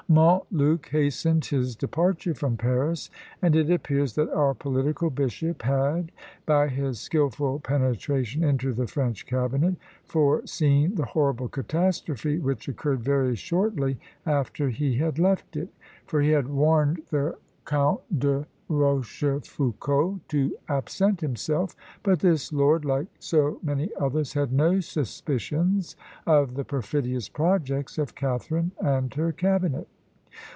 Montluc hastened his departure from Paris; and it appears that our political bishop had, by his skilful penetration into the French cabinet, foreseen the horrible catastrophe which occurred very shortly after he had left it; for he had warned the Count de Rochefoucault to absent himself; but this lord, like so many others, had no suspicions of the perfidious projects of Catharine and her cabinet.